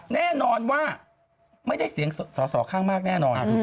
แน่นอนว่าไม่ได้เสียงสอสอข้างมากแน่นอน